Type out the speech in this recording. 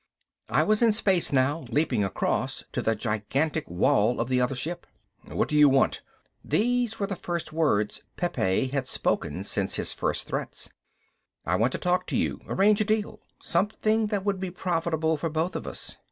I was in space now, leaping across to the gigantic wall of the other ship. "What do you want?" These were the first words Pepe had spoken since his first threats. "I want to talk to you, arrange a deal. Something that would be profitable for both of us.